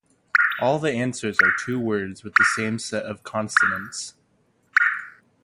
All the answers are two words with the same set of consonants.